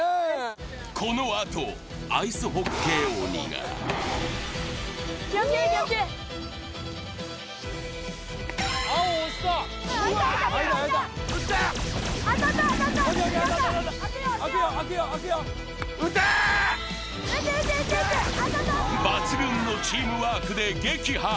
このあと、アイスホッケー鬼が抜群のチームワークで撃破。